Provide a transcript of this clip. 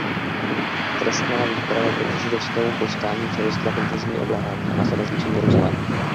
Trestná výprava proti židovskému povstání přerostla v intenzivní obléhání a následné zničení Jeruzaléma.